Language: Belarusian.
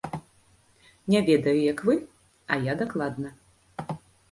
Не ведаю, як вы, а я дакладна.